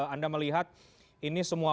anda melihat ini semua